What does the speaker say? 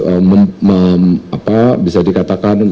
apa bisa dikatakan